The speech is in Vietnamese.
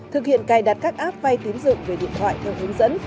thực hiện cài đặt các app vay tín dựng về điện thoại theo hướng dẫn